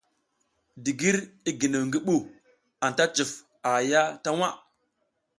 Digir, i ginew ngi ɓu, anta cuf a haya ta waʼa.